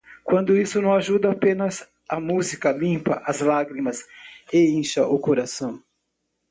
Quando isso não ajuda, apenas a música limpa as lágrimas e incha o coração.